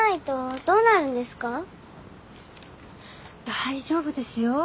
大丈夫ですよ。